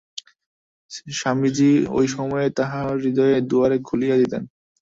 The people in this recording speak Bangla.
স্বামীজী ঐ সময়ে তাঁহার হৃদয়ের দুয়ার খুলিয়া দিতেন।